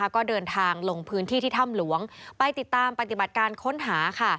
ก็เดินทางลงพื้นที่ที่ถ้ำหลวงไปติดตามปฏิบัติการค้นหา